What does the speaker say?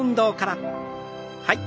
はい。